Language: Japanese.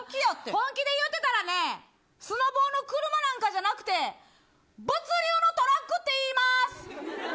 本気で言ってたらスノボの車なんかじゃなくて物流のトラックって言います。